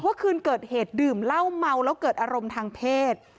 คืนเกิดเหตุดื่มเหล้าเมาแล้วเกิดอารมณ์ทางเพศ